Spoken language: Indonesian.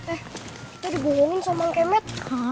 eh kita dibohongin sama kemet